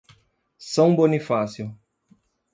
São Bonifácio